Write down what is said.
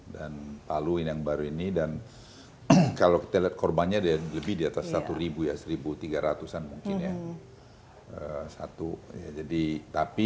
dan palu yang baru ini dan kalau kita lihat korbannya lebih di atas satu ya satu tiga ratus an mungkin ya satu ya jadi